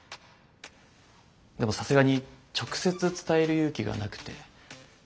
でもさすがに直接伝える勇気がなくて。